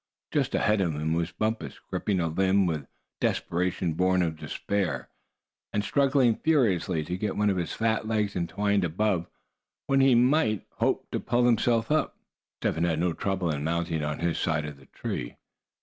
Just ahead of him was Bumpus, gripping a limb with a desperation born of despair, and struggling furiously to get one of his fat legs entwined above, when he might hope to pull himself up. Step Hen had no trouble in mounting on his side of the tree.